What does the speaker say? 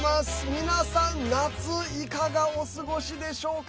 皆さん、夏いかがお過ごしでしょうか？